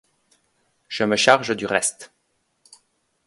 Je me charge du reste !